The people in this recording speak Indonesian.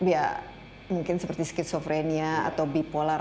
ya mungkin seperti skizofrenia atau bipolar